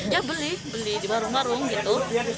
ya beli beli di barung barung gitu